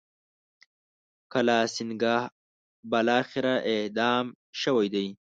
کالاسینګهـ بالاخره اعدام شوی دی.